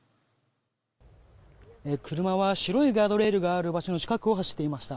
車は白いガードレールがある場所の近くを走っていました。